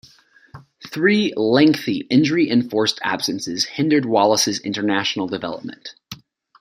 Three lengthy injury-enforced absences hindered Wallace's international development.